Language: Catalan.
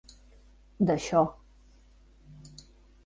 D'això.